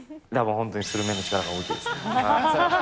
本当にスルメの力が大きいですね。